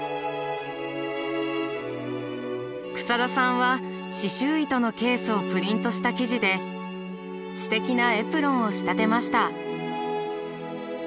草田さんは刺しゅう糸のケースをプリントした生地ですてきなエプロンを仕立てました。